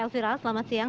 elzira selamat siang